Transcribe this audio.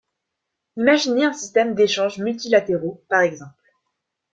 Imaginez un système d’échanges multilatéraux, par exemple.